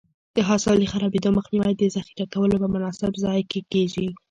د حاصل د خرابېدو مخنیوی د ذخیره کولو په مناسب ځای کې کېږي.